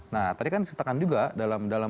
nah tadi kan ditekan juga dalam